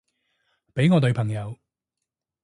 畀我女朋友